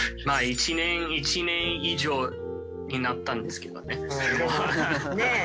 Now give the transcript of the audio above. まあ１年１年以上になったんですけどね。